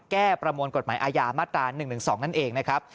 ประมวลกฎหมายอาญามาตรา๑๑๒นั่นเองนะครับ